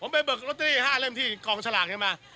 ไปเบิกลอตเตอรี่๕เล่มที่กองสลากนี้มา